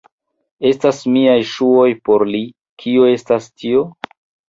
Estas miaj ŝuoj por li. Kio estas tio?